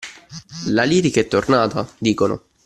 La lirica è tornata dicono